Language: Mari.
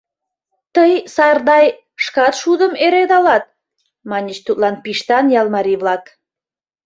— Тый, Сардай, шкат шудым эре налат, — маньыч тудлан Пиштан ял марий-влак.